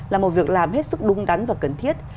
là một việc làm hết sức đúng đắn và cần thiết